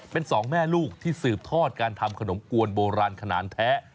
เป็นสองแม่ลูกที่สืบทอดการทำขนมกวนโบราณขนาดแท้